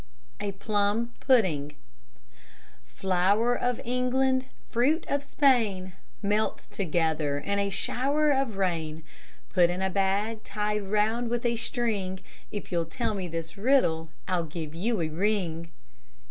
A PLUM PUDDING Flour of England, fruit of Spain, Met together in a shower of rain; Put in a bag tied round with a string; If you'll tell me this riddle, I'll give you a ring.